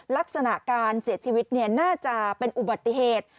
ลักษณะการเสียชีวิตน่าจะเป็นอุบัติเหตุ